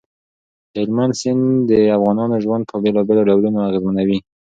هلمند سیند د افغانانو ژوند په بېلابېلو ډولونو اغېزمنوي.